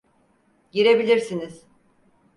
Girebilirsiniz.